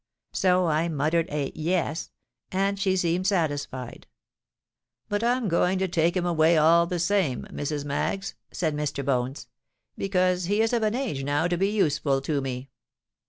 So I muttered a 'yes;' and she seemed satisfied.—'But I am going to take him away all the same, Mrs. Maggs,' said Mr. Bones; 'because he is of an age now to be useful to me.'